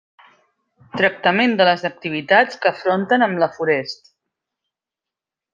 Tractament de les activitats que afronten amb la forest.